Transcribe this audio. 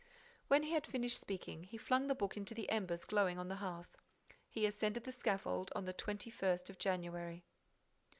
When he had finished speaking, he flung the book into the embers glowing on the hearth. He ascended the scaffold on the 21st of January.